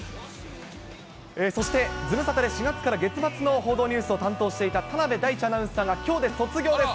そして、ズムサタで月末の報道ニュースを担当していた田辺大智アナウンサーが、きょうで卒業です。